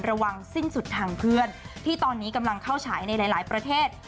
ระวังสิ้นสุดทางเพื่อนที่ตอนนี้กำลังเข้าฉายในหลายประเทศ